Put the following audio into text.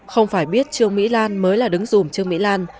không phải biết trương mỹ lan mới là đứng dùm trương mỹ lan